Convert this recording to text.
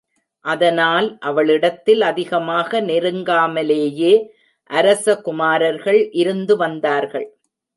அதனால் அவளிடத்தில் அதிகமாக நெருங்காமலேயே அரச குமாரர்கள் இருந்து வந்தார்கள்.